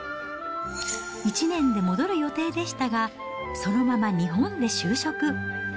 １年で戻る予定でしたが、そのまま日本で就職。